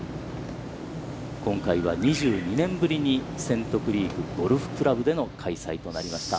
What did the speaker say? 今回は、２２年ぶりにセントクリークゴルフクラブでの開催となりました。